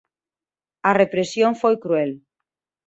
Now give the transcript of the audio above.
A represión foi cruel.